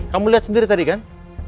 kamu lihat sendiri tadi kan